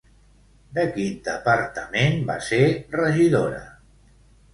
De quin departament va ser regidora?